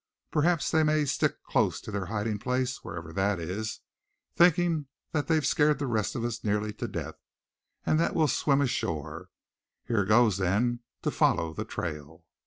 "Perhaps they may stick close to their hiding place, wherever that is, thinking they've scared the rest of us nearly to death; and that we'll swim ashore. Here goes, then, to follow the trail."